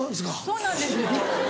そうなんですよ。